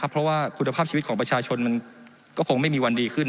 เพราะว่าคุณภาพชีวิตของประชาชนมันก็คงไม่มีวันดีขึ้น